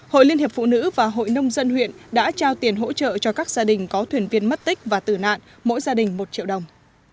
hội liên hiệp phụ nữ và hội nông dân huyện đã trao tiền hỗ trợ cho các gia đình có thuyền viên mất tích và tử nạn mỗi gia đình một triệu đồng